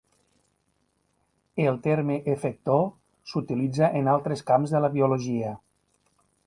El terme "efector" s'utilitza en altres camps de la biologia.